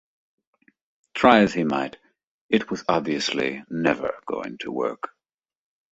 Try as he might, it was obviously never going to work.